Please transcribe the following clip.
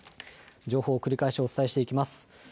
情報を繰り返しお伝えしていきます。